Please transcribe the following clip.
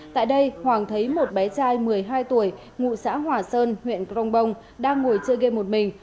tại đây hoàng thấy một bé trai một mươi hai tuổi ngụ xã hòa sơn huyện crong bông đang ngồi chơi game một mình